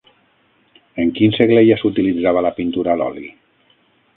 En quin segle ja s'utilitzava la pintura a l'oli?